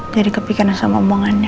jadi kepikiran sama omongannya